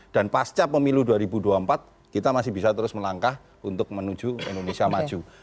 dan pasca pemilu dua ribu dua puluh empat kita masih bisa terus melangkah untuk menuju indonesia maju